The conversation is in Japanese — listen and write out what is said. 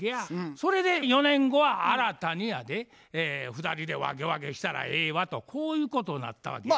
それで４年後は新たにやで２人で分け分けしたらええわとこういうことになったわけや。